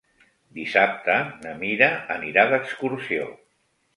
Dissabte na Mira anirà d'excursió.